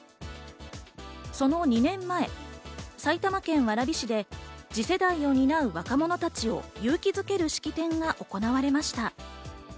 その２年前、埼玉県蕨市で次世代を担う若者たちを勇気づける式典が行われました。